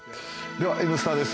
では、「Ｎスタ」です。